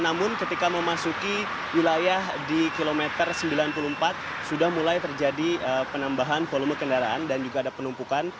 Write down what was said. namun ketika memasuki wilayah di kilometer sembilan puluh empat sudah mulai terjadi penambahan volume kendaraan dan juga ada penumpukan